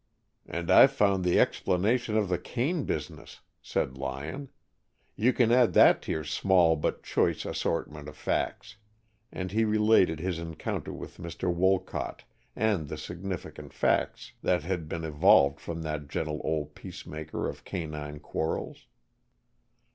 "And I've found the explanation of the cane business," said Lyon. "You can add that to your small but choice assortment of facts." And he related his encounter with Mr. Wolcott, and the significant facts that had been evolved from that gentle old peace maker of canine quarrels.